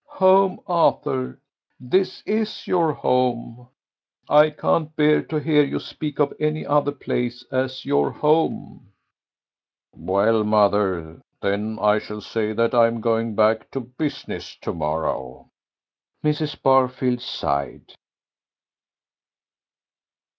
"Home, Arthur! this is your home. I can't bear to hear you speak of any other place as your home." "Well, mother, then I shall say that I'm going back to business to morrow." Mrs. Barfield sighed.